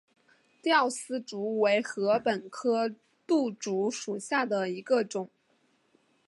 吊丝竹为禾本科牡竹属下的一个种。